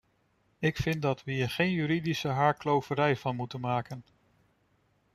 Ik vind dat we hier geen juridische haarkloverij van moeten maken.